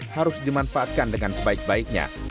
harus dimanfaatkan dengan sebaik baiknya